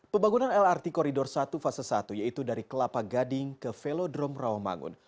pembangunan lrt koridor satu fase satu yaitu dari kelapa gading ke velodrome rawamangun